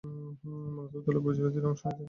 মূলতঃ দলের প্রয়োজনে তিনি অংশ নিতেন।